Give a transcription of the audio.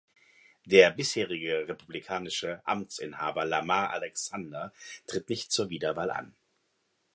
Der bisherige republikanische Amtsinhaber Lamar Alexander tritt nicht zur Wiederwahl an.